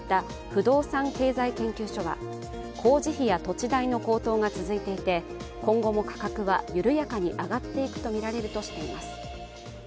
調査を行った不動産経済研究所は工事費や土地代の高騰が続いていて緩やかに上がっていくとみられるとしています。